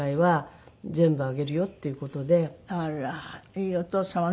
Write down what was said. いいお父様ね。